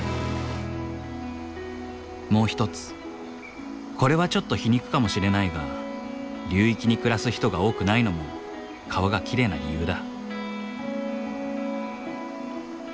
もう一つこれはちょっと皮肉かもしれないが流域に暮らす人が多くないのも川がきれいな理由だ。